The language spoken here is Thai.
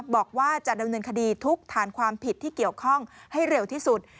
บอกว่าจะดำเนินคดีทุกฐานความผิดที่เกี่ยวข้องให้เร็วที่สุด